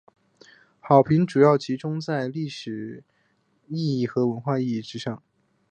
好评主要集中在影片的历史意义和文化意义之上。